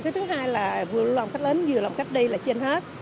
thứ hai là vừa lòng khách đến vừa lòng khách đi là trên hết